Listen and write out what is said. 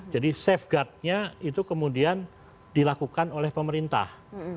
jadi safeguardnya itu kemudian dilakukan oleh pemerintah